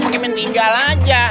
pake mentinggal aja